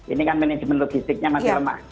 ini kan manajemen logistiknya masih lemah